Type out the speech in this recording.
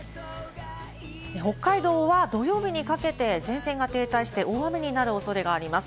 北海道は土曜日にかけて前線が停滞して大雨になる恐れがあります。